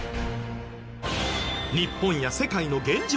日本や世界の現状